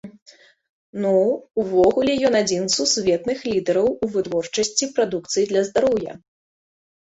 Ну, увогуле ён адзін з сусветных лідэраў у вытворчасці прадукцыі для здароўя.